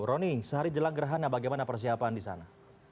roni sehari jelang gerhana bagaimana persiapan di sana